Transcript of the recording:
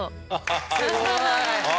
すごい。